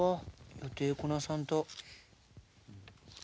予定こなさんと。